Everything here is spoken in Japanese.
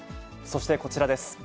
そしてこちらです。